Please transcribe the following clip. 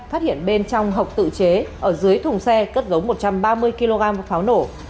phát hiện bên trong hộp tự chế ở dưới thùng xe cất dấu một trăm ba mươi kg pháo nổ